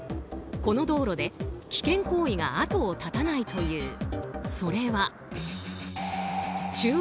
この道路で危険行為が後を絶たないという。